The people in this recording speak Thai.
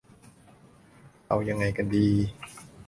จะเอายังไงกันดี ?